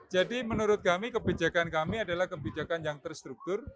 jadi menurut kami kebijakan kami adalah kebijakan yang terstruktur